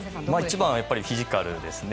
いちばんはフィジカルですね。